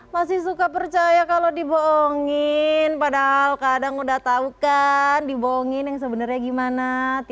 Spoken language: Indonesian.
masih suka percaya kalau dibohongin padahal kadang udah tau kan dibohongin yang sebenarnya gimana